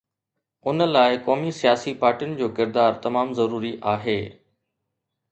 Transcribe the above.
ان لاءِ قومي سياسي پارٽين جو ڪردار تمام ضروري آهي.